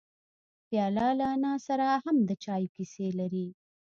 پیاله له انا سره هم د چایو کیسې لري.